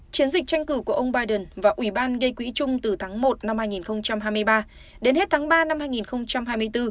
chiến dịch tranh cử của ông biden và ủy ban gây quỹ chung từ tháng một năm hai nghìn hai mươi ba đến hết tháng ba năm hai nghìn hai mươi bốn